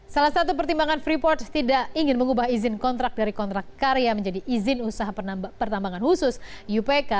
salah satu pertimbangan freeport tidak ingin mengubah izin kontrak dari kontrak karya menjadi izin usaha pertambangan khusus iupk